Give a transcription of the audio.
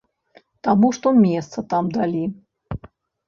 Таму што месца там далі.